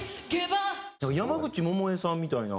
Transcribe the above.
山口百恵さんみたいな。